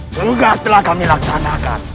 tugas telah kami laksanakan